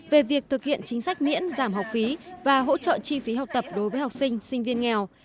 về việc thực hiện chính sách miễn giảm học phí và hỗ trợ chi phí học tập đối với học sinh sinh viên nghèo